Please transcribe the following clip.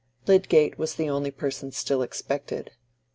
Lydgate was the only person still expected.